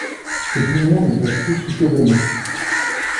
Ses poumons ne peuvent plus souffler de mots.